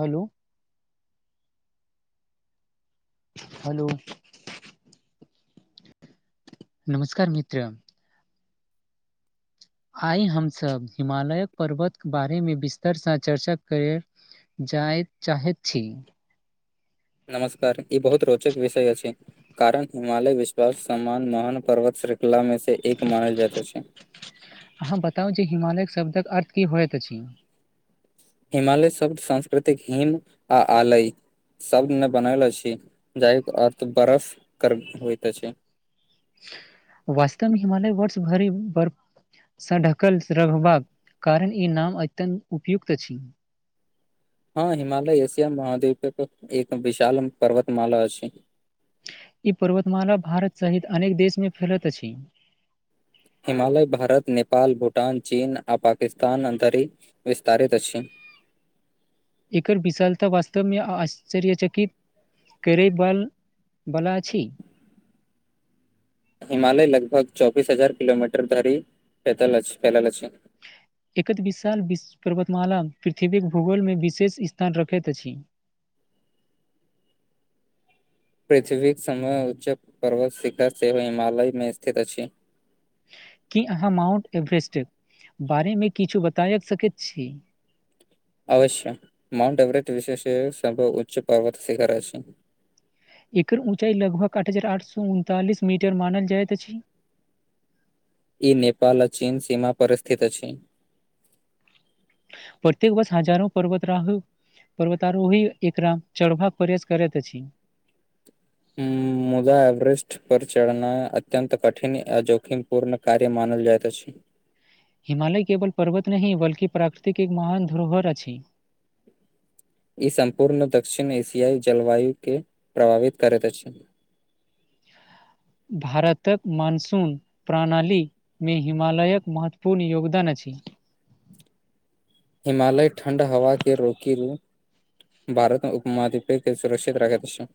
Hello hello नमस्कार मित्र आइ हमसब हिमालयक पर्वत बारे मे विस्तरसँ चर्चा करे जायत चाहैत छी नमस्कार ई बहुत रोचक विषय अछि कारण हिमालय विश्व समान महान पर्वत श्रृंखला में से एक मानल जात अछि अहाँ बताउ जे हिमालयक शब्दक अर्थ की होइत अछि हिमालय शब्द सांस्कृतिक हिम आ आलय सबने बनल अछि जइ के अर्थ बर्फ कर होइत अछि वास्तव हिमालय वर्ष भरि बर् सर ढकबा रहबाक कारण ई नाम अत्यन्त उपयुक्त छी हँ हिमालय एशिया महाद्वीपक एक विशाल पर्वत मानल अछि ई पर्वतमाला भारत सहित अनेक देश मे फैलत अछि हिमालय भारत नेपाल भूटान चीन आ पाकिस्तान अन्तरीक विस्तारित अछि एकर विशालता वास्तव्य आश्चर्यचकित करेवाल बला अछी हिमालय लगभग चौबीस हजार किलोमीटर धरि पैदल फैलल अछि एकत विशाल विश पर्वतमाला पृथ्वीक भूगोल मे विशेष स्थान रखैत अछि पृथ्वीक समय उच्च पर्वत शिखर सेहो हिमालय में स्थित अछि की अहाँ माउंट एवेरेस्टके बारेमे किछु बतायेत सकैत छी अवश्य माउंट एवरेस्ट विशेष उच्च पर्वत शिखर छै एकर ऊँचाई लगभग आठ हजार आठ सउ उनतालिस मीटर मानल जाइत अछि ई नेपाल आ चीन सीमा पर स्थित अछि प्रतेक वर्ष हजारो पर्वताराहा पर्वतारोही एकरा चढ़बाका के प्रयास करैत अछि हूं मुदा एवरेस्ट पर चढ़ना अत्यन्त कठिन आ जोखिम पूर्ण कार्य मानल जाइत अछि हिमालय केवल पर्वत नहि बल्कि प्राकृतिक एक महान धरोहर अछि ई सम्पूर्ण दक्षिण एशियाई जलवायु केँ प्रभावित करैत अछि भारतक मानसून प्रणाली मे हिमालयक महत्वपूर्ण योगदान अछि हिमालय ठण्ड हवा के रोकी रू भारतमे उपमाधिपै सुरक्षित राखैत छै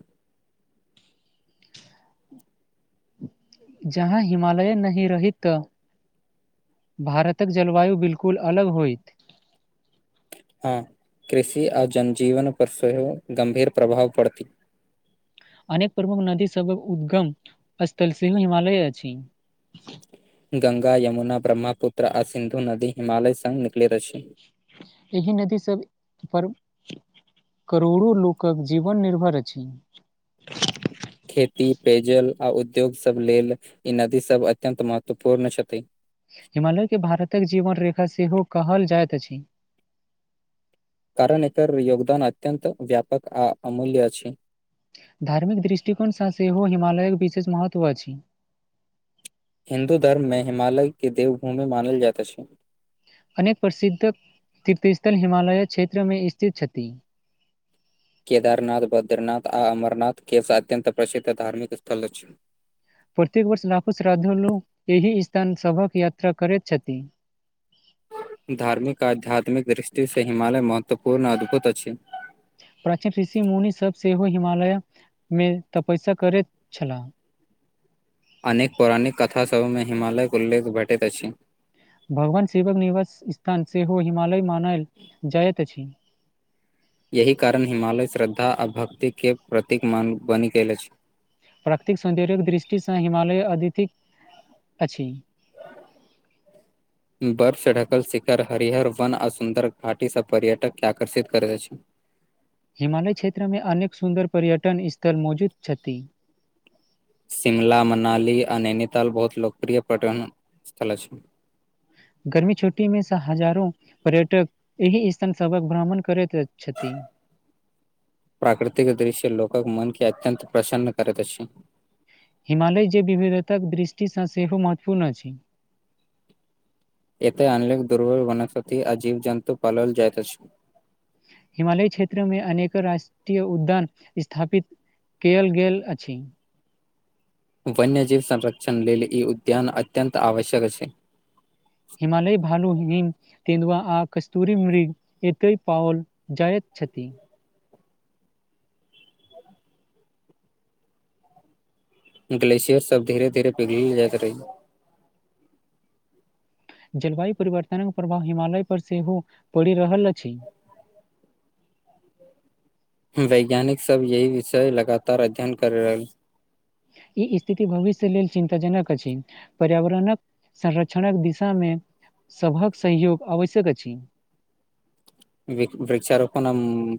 जहाँ हिमालय नहि रही तऽ भारतक जलवायु बिल्कुल अलग होयइत हँ कृषि आ जनजीवन पर सेहो गम्भीर प्रभाव पड़ती अनेक प्रमुख नदी सभक उद्गम स्थल सेहो हिमालय अछि गंगा यमुना ब्रह्मपुत्र आ सिन्धु नदी हिमालय संग निकलैत अछि एहि नदी सब पर करोड़ो लोकक जीवन निर्भर अछि खेती पेयजल आ उद्योग सब लेल ई नदी सब अत्यन्त महत्वपूर्ण छथि हिमालय के भारतक जीवन रेखा सेहो कहल जाइत अछि कारण एकर योगदान अत्यन्त व्यापक आ अमूल्य अछि धार्मिक दृष्टिकोणसँ सेहो हिमालयके विशेष महत्व अछि हिन्दू धर्ममे हिमालय के देवभूमि मानल जाएत अछि अनेक प्रसिद्धक तीर्थस्थल हिमालय क्षेत्र मे स्थित छथि केदारनाथ बद्रनाथ आ अमरनाथ के सँ अत्यन्त प्रसिद्ध धार्मिक स्थल अछि प्रत्येक वर्ष लाखो श्राद्धु लोग एहि स्थान सभक यात्रा करैत छथिन धार्मिक आ आध्यात्मिक दृष्टिसँ हिमालय महत्वपूर्ण अद्भुत अछि प्राचीन ऋषि मुनि सब सेहो हिमालय मे तपस्या करैत छलाह अनेक पौराणिक कथासभमे हिमालयक उल्लेख भेटैत अछि भगवान शिवक निवास स्थान सेहो हिमालय मनायल जायइत अछि एहि कारण हिमालय श्रद्धा आ भक्तिके प्रतीक मान बनि गेल अछि प्रकृतिक सौन्दर्य्यक दृष्टिसँ हिमालय अधधिक अछि बर्फसँ ढकल शिखर हरिहर वन आ सुन्दर घाटीसँ पर्यटकके आकर्षित करैत अछि। हिमालय क्षेत्रमे अनेक सुन्दर पर्यटन स्थल मौजूद छथि। शिमला मनाली आ नैनीताल बहुत लोकप्रिय पर्यटन स्थल अछि। गर्मी छुट्टी मे सँ हजारो पर्यटक एहि स्थान सबक भ्रमण करैत छथि, प्राकृतिक दृश्य लोकक मन की अत्यत प्रसन्न करैत अछि हिमालय जे विविधताक दृष्टिसँ सेहो महत्वपूर्ण अछि ' एत अनेक दुरर्बल वनस्पति आ जीव जन्तु पालल जाइत अछि हिमालय क्षेत्र मे अनेक राष्ट्रीय उद्यान स्थापित केल गेल अछि। वन्य जीव संरक्षण लेल ई उद्यान अत्यन्त आवश्यक अछि हिमालय भालू हिम तिन्दुआ कस्तूरी मृग एतय पओल जायत छथि ग्लेशियर सब धीरे धीरे पिघलल जाइत रहै जलवायु परिवर्तनक प्रभाव हिमालय पर सेहो पड़ि रहल अछि वैज्ञानिक सब यही विषय लगातार अध्ययन करी रहल ई स्थिति भविष्य लेल चिन्तााजनक अछि पर्यावरणक। संरक्षणक दिशा मे सभक सहयोग आवश्यक अछि वृक्षारोपण आ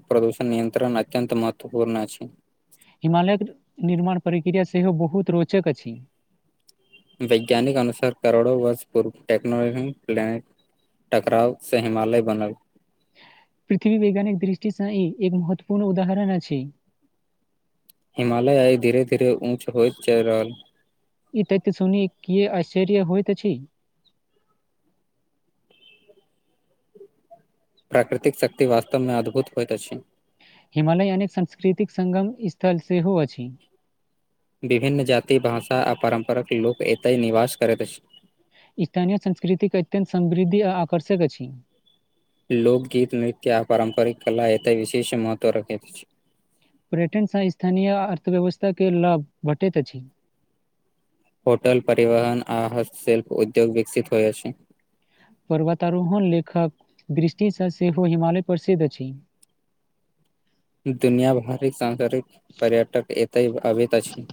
प्रदूषण नियंत्रण अत्यत महत्वपूर्ण अछि हिमालय निर्माण प्रक्रिया सेहो बहुत रोचक अछि, वैज्ञानिक अनुसार करोड़ो वर्ष पूर्व टेक्नोलॉजी प्लानट टकराव से हिमालय बनल पृथ्वी वैज्ञानिक दृष्टिसँ ई एक महत्वपूर्ण उदाहरण अछि हिमालय आइ धीरे धीरे ऊँच होइत जा रहल। ई त तऽ सुनि किया आश्चर्य होइत अछि प्राकृतिक शक्ति वास्तवमे अद्भुत होइत अछि। हिमालय अनेक सांस्कृतिक संगम स्थल सेहो अछि विभिन्न जाति भाषा आ परम्पराक लोक एतेक निवास करैत अछि स्थानीय संस्कृतिक के अत्यंत समृद्धि आ आकर्षक अछि। लोकगीत नृत्य आ पारम्परिक कला एतय विशेष महत्व रखैत अछि। पर्यटनसँ स्थानीय अर्थव्यवस्थाके लाभ भटैत अछि। होटल परिवहन आ हस्तशिल्प उद्योग विकसित होइ अछि पर्वतारोहण लेखक दृष्टिसँ सेहो हिमालय प्रसिद्ध अछि दुनिया भरिक सांस्कृिक पर्यटक एतय भाबैत अछि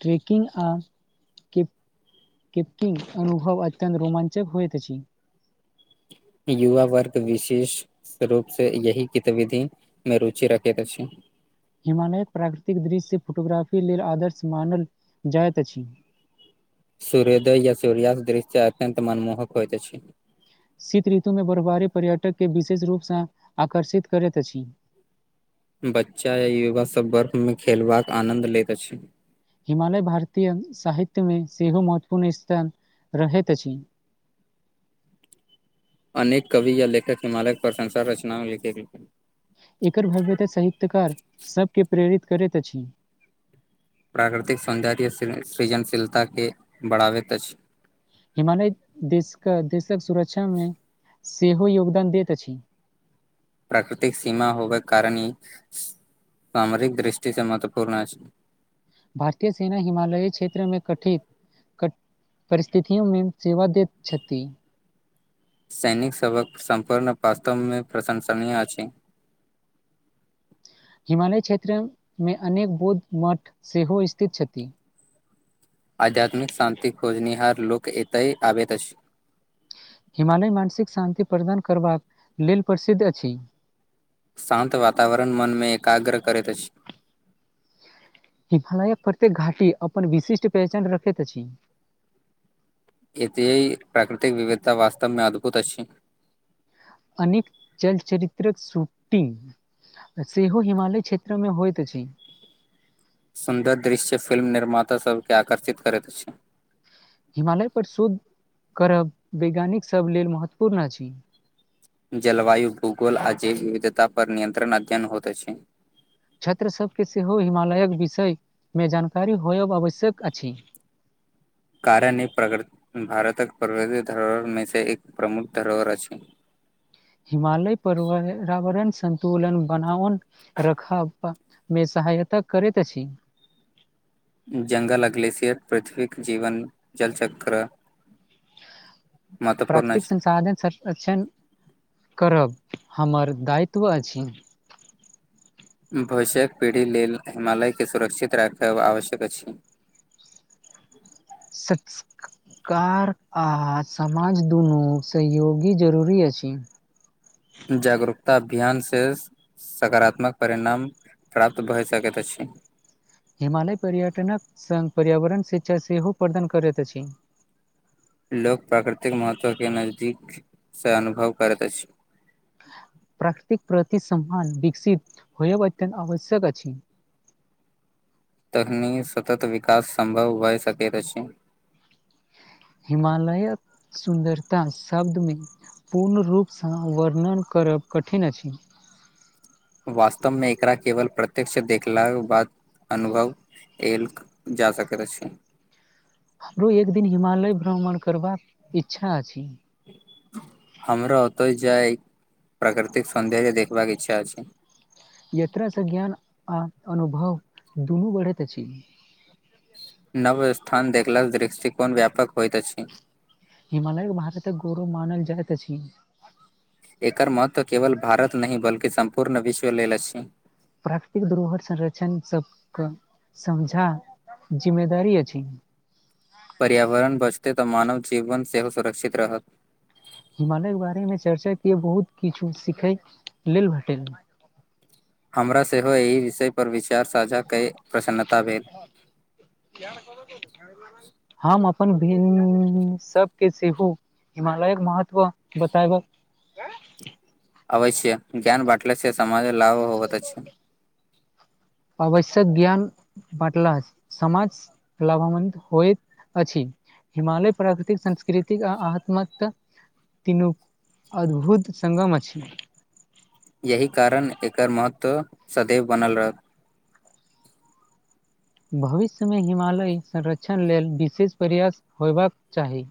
ट्रेकिंग आ के कपकिंग अनुभव अत्यत रोमाञ्चक होइत अछि युवा वर्ग विशेष ' रूप से यही गतिविधि मे रुचि रखैत अछि हिमालयक प्राकृतिक दृश्य फोटोग्राफी लेल आदर्श मानल जाइत अछि, सूर्योदय या सूर्यास्त दृश्य अत्यंत मनमोहक होइत अछि शीत ऋतु मे बर्फबारी पर्यटक के विशेष रूप से आकर्षित करैत अछि ' बच्चा य युवा सब बर्फ में खेलबाक आनद लैत अछि। हिमालय भारतीय साहित्यमे सेहो महत्वपूर्ण स्थान रहैत अछि, अनेक कवि या लेखक हिमालयक प्रशंसा रचना लिख [unintelligible] गेलखिन एकर भव्यता साहित्यकार सबके प्रेरित करैत अछि। प्राकृतिक सौन्दर्य सृजनशीलता के बढ़ावैत त अछि हिमालय देशक देशक सुरक्षा मे सेहो योगदान दैत अछि। प्राकृतिक सीमा होबे कारण ई सामरिक दृष्टि से महत्वपूर्ण अछि ' भारतीय सेना हिमालयी क्षेत्रमे कठित परिस्थितियोमे सेवा दैत छथि सैनिक सभक सम्पूर्ण वास्तवमे प्रशंसनीय अछि हिमालय क्षेत्रमे अनेक बौद्ध मठ सेहो स्थित छथि। आध्यात्मिक शान्ति खोजनिहार लोक एतय आबैत अछि। हिमालय मानसिक शान्ति प्रदान करबाक लेल प्रसिद्ध अछि। शान्त वातावरण मनमे एकाग्र करैत अछि। हिमालय प्रत्येक घाटी अपन विशिष्ट पहचान रखैत अछि एती प्राकृतिक विविधता वास्तवमे अद्भुत अछि। अनेक चलचरित्र शूटिंग सेहो हिमालय क्षेत्र मे होइत अछि। सुन्दर दृश्य फिल्म निर्माताभके आकर्षित करैत अछि। हिमालय पर शोध करब वैज्ञानिक सब लेल महत्वपूर्ण अछि। जलवायु भूगोल आ जेैव विविधता पर नियंत्रण अध्ययन होत अछि। छात्र सबके सेहो हिमालयक विषयमे जानकारी होयब आवश्यक अछि। कारण ई प्रग भारतक प्रगृति धरोहर मे से एक प्रमुख धरोहर अछि। हिमालय पर्यावरण संतुलन बनाओन रखब मे सहायता करैत अछि। जंगल ग्लेशियर पृथ्वीक जीवन जल चक्र महत्वपूर्ण प्राकृतिक अछि संसाधन संरक्षण करब हमर दायित्व अछि। भविष्यक पीढ़ी लेल हिमालयके सुरक्षित राखब आवश्यक अछि। [unintelligible] कार आ समाज दुनू सहयोगी जरूरी अछि। जागरूकता अभियान से साकारातात्मक परिणाम प्राप्त भए सकैत अछि। हिमालय पर्यटनक सङ्ग पर्यावरण शिक्षा सेहो प्रदान करैत अछि। लोक प्राकृतिक महत्वके नजदीकसँ अनुभव करैत अछि। प्राकृतिक प्रति समान विकसित होय अत्यत आवश्यक अछि। तखनीए सतत विकास सम्भव भए सकैत अछि। हिमालयक सुन्दरता शब्दमे पूर्ण रूपसँ वर्णन करब कठिन अछि। वास्तवमे एकरा केवल प्रत्यक्ष देखलाके बाद अनुभव एलक जा सकल अछि। हमरो एक दिन हिमालय भ्रमण करबाक इच्छा अछि। हमरा ओतय जाय प्राकृतिक सौन्दर्य देखबाक इच्छा अछि। यात्रासँ ज्ञान आ अनुभव दुनू बढ़ैत अछि। नव स्थान देखल दृष्टिकोण व्यापक होयइत अछि। हिमालय के भारतक गौरव मानल जाइत अछि। एकर महत्व केवल भारत नहि बल्कि सम्पूर्ण विश्व लेल अछि। प्राकृतिक धरोहर संरक्षण सबके समझा जिम्मेदारी अछि। पर्यावरण बचतै तऽ मानव जीवन सेहो सुरक्षित रहत। हिमालय के बारे मे चर्चा के बहुत किछु सिखे लेल भेटल। हमरा सेहो एहि विषयपर विचार साझा कई प्रसन्नता भेल। [unintelligible] हम अपन भिन्न सबके सेहो हिमालयक महत्व बतायब अवश्य ज्ञान बाँटलासे समाज लाभ होबत अछि। आवश्यक ज्ञान बटला समाज लाभवानवित्त होयत अछि। हिमालय प्राकृतिक संंस्कृतिक आ आत्मत तीनू अद्भुत सङगम अछि। यही कारण एकर महत्व सदैव बनल रहत। भविष्यमे हिमालय संरक्षण लेल विशेष प्रयास होयबाक चाही।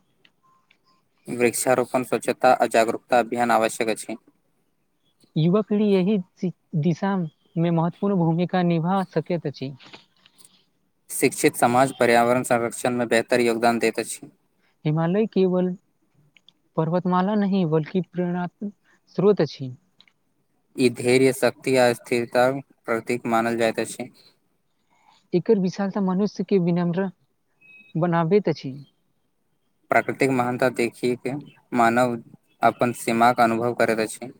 वृक्षारोपण स्वच्छता आ जागरूकता अभियान आवश्यक अछि युवा पीढ़ी एहि दिशा मे महत्वपूर्ण भूमिका निभा सकैत अछि शिक्षित समाज पर्यावरण संरक्षणमे बेहतर योगदान दैत अछि हिमालय केबल पर्वतमाला नही बल्कि प्रेरणात्मक स्रोत अछि ई धैर्य शक्ति आ स्थिरताक प्रतीक मानल जाइत अछि एकर विशालत मनुष्य के विनम्र बनाबैत अछि प्राकृतिक महानता देखिए के मानव अपन सीमाके अनुभव करैत अछि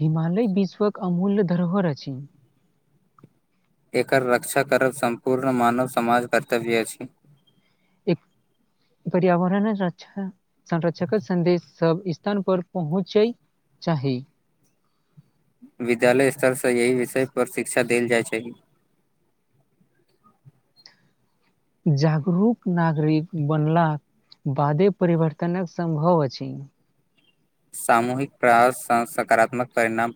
हिमालय विश्वक अमूल्य धरोहर अछि एकर रक्षा करब सम्पूर्ण मानव समाज कर्तव्य अछि एक पर्यावरण रछा संरक्षक सन्देश सब स्थन पर पहुँचै चाही विद्यालय स्तर स यही विषय पर शिक्षा देल जाइ छै जागरूक नागरिक बनला बादे परिवर्तनक सम्भव अछि सामूहिक प्रास सकारात्मक परिणाम